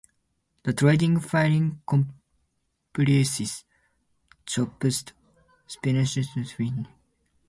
The traditional filling comprises chopped spinach, feta cheese, onions or scallions, egg, and seasoning.